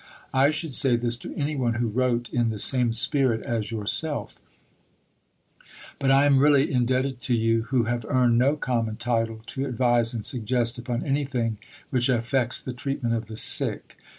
I should say this to any one who wrote in the same spirit as yourself, but I am really indebted to you who have earned no common title to advise and suggest upon anything which affects the treatment of the sick.